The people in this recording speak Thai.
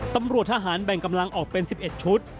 ตำรวจทหารแบ่งกำลังออกเป็น๑๑ชุด